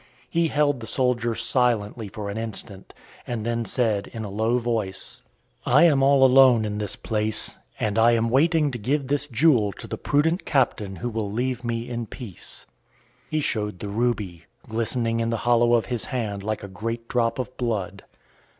He held the soldier silently for an instant, and then said in a low voice: "There is no one in this place but me, and I am waiting to give this jewel to the prudent captain who will leave me in peace." He showed the ruby, glistening in the hollow of his hand like a great drop of blood.